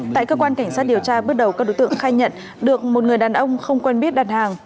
tại cơ quan cảnh sát điều tra bước đầu các đối tượng khai nhận được một người đàn ông không quen biết đặt hàng